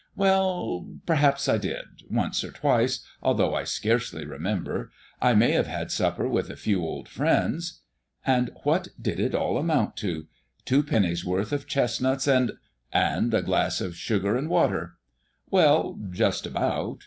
"Well, perhaps I did, once or twice, although I scarcely remember; I may have had supper with a few old friends. And what did it all amount to? Two pennies' worth of chestnuts and " "And a glass of sugar and water." "Well, just about.